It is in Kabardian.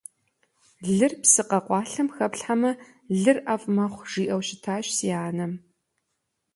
Лыр псы къэкъуалъэм хэплъхьэмэ – лыр ӀэфӀ мэхъу, жиӀэу щытащ си анэм.